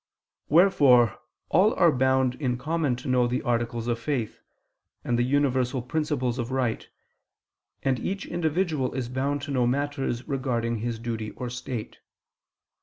Wherefore all are bound in common to know the articles of faith, and the universal principles of right, and each individual is bound to know matters regarding his duty or state.